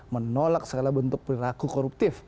menolak segala bentuk perilaku koruptif